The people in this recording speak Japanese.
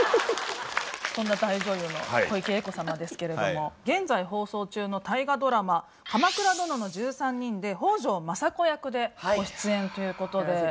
そんな大女優の小池栄子様ですけれども現在放送中の大河ドラマ「鎌倉殿の１３人」で北条政子役でご出演ということで。